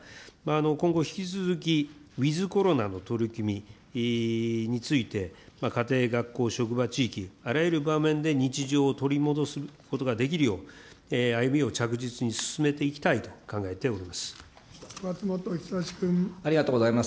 今後引き続き、ウィズコロナの取り組みについて、家庭、学校、職場、地域、あらゆる場面で日常を取り戻すことができるよう、歩みを着実に進めていきたいと考えております。